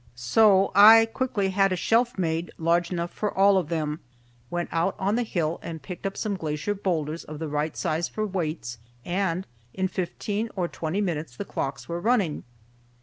So I quickly had a shelf made large enough for all of them, went out on the hill and picked up some glacial boulders of the right size for weights, and in fifteen or twenty minutes the clocks were running.